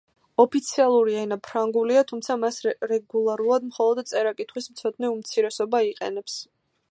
ოფიციალური ენა ფრანგულია, თუმცა მას რეგულარულად მხოლოდ წერა-კითხვის მცოდნე უმცირესობა იყენებს.